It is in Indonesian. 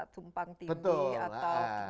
tumpang tinggi atau tidak match